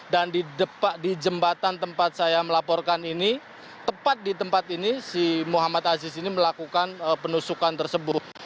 dan di jembatan tempat saya melaporkan ini tepat di tempat ini si muhammad aziz ini melakukan penusukan tersebut